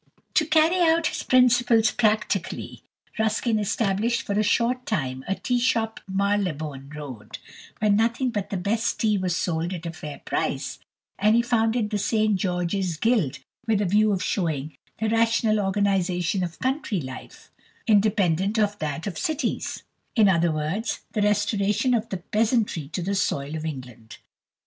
To carry out his principles practically, Ruskin established for a short time a tea shop in the Marylebone Road, where nothing but the best tea was sold at a fair price, and he founded the St George's Guild with a view of showing "the rational organisation of country life independent of that of cities;" or in other words, the restoration of the peasantry to the soil of England.